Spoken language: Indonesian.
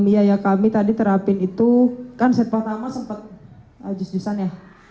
jadi ya kami tadi terapin itu kan set pertama sempat just justan ya